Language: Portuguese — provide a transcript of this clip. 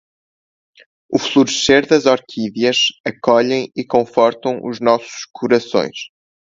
O florescer das orquídeas acolhem e confortam os nossos corações.